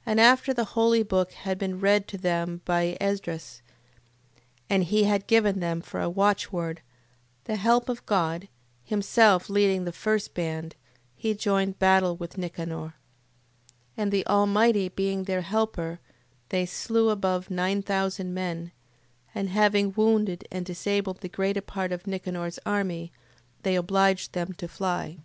8:23. And after the holy book had been read to them by Esdras, and he had given them for a watchword, The help of God: himself leading the first band, he joined battle with Nicanor: 8:24. And the Almighty being their helper, they slew above nine thousand men: and having wounded and disabled the greater part of Nicanor's army, they obliged them to fly.